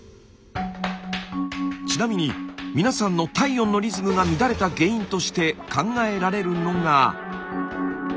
ちなみに皆さんの体温のリズムが乱れた原因として考えられるのが。